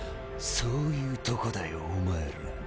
そういうとこだよお前ら。